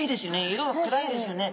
色が暗いですよね。